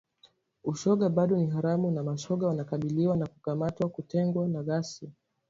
Ushoga bado ni haramu na mashoga wanakabiliwa na kukamatwa, kutengwa na ghasia